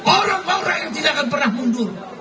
orang orang yang tidak akan pernah mundur